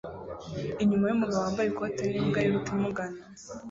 Inyuma yumugabo wambaye ikoti nimbwa yiruka imugana